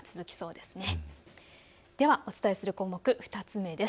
ではお伝えする項目、２つ目です。